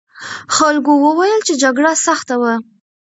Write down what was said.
خلکو وویل چې جګړه سخته وه.